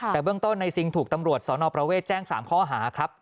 แต่เบื้องต้นในซิงถูกตำรวจสนประเวทแจ้ง๓ข้อหาครับ